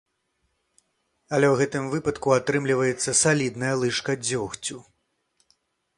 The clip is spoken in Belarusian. Але ў гэтым выпадку атрымліваецца салідная лыжка дзёгцю.